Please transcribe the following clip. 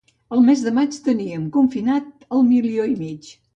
El mes de maig teníem confinat el milió i mig.